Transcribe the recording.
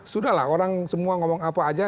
sudah lah orang semua ngomong apa aja